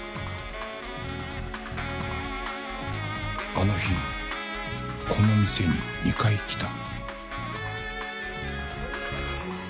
あの日この店に２回来た